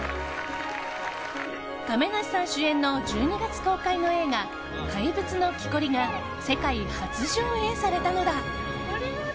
亀梨さん主演の１２月公開の映画「怪物の木こり」が世界初上映されたのだ。